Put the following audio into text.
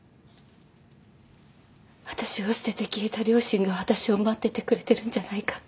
私を捨てて消えた両親が私を待っててくれてるんじゃないかって。